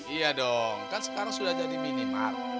iya dong kan sekarang sudah jadi minimal